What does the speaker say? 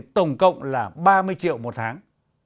tổng cộng là ba mươi triệu một tháng